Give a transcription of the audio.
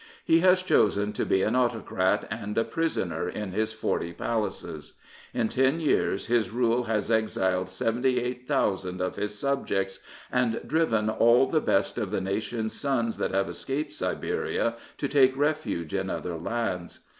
He has chosen to be an Autocrat and a prisoner in his forty palaces. In ten years his rule has exiled 78,000 of his subjects and driven all the best of the nation's sons that have escaped Siberia to take refuge in other lands.